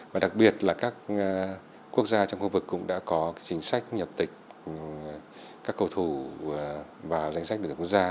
và đặc biệt là các quốc gia trong khu vực cũng đã có chính sách nhập tịch các cầu thủ vào danh sách đội tuyển quốc gia